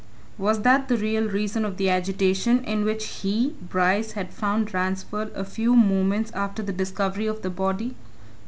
6. Was that the real reason of the agitation in which he, Bryce, had found Ransford a few moments after the discovery of the body?